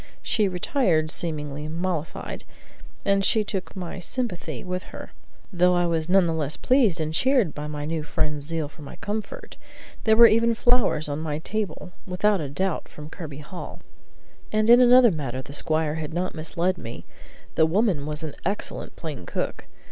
She retired seemingly mollified, and she took my sympathy with her, though I was none the less pleased and cheered by my new friend's zeal for my comfort; there were even flowers on my table, without a doubt from Kirby Hall. And in another matter the squire had not misled me: the woman was an excellent plain cook.